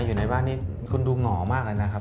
อยู่ในบ้านนี้คุณดูหง่อมากเลยนะครับ